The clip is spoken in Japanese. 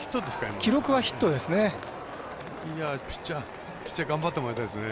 記録はヒットですね。